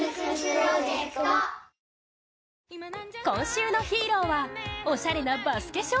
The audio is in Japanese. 今週のヒーローはおしゃれなバスケ